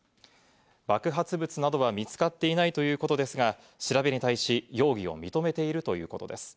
爆発物などは見つかっていないということですが、調べに対し、容疑を認めているということです。